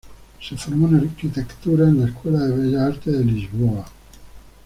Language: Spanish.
Se formó en Arquitectura en la Escuela de Bellas Artes de Lisboa.